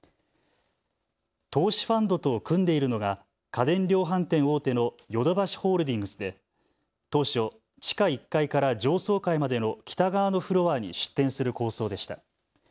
投資ファンドと組んでいるのが家電量販店大手のヨドバシホールディングスで当初、地下１階から上層階までの北側のフロアに出店する構想でした。